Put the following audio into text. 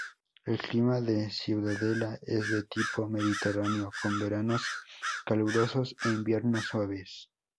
El clima de Ciudadela es de tipo mediterráneo, con veranos calurosos e inviernos suaves.